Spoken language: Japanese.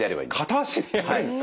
片足でやるんですか？